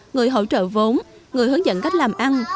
người hỗ trợ vốn người hướng dẫn cách làm ăn